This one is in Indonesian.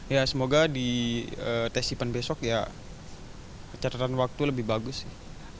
ya semoga di tes event besok ya catatan waktu lebih bagus sih